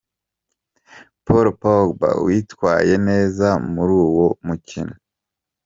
Paul Pogba witwaye neza muruwo mukino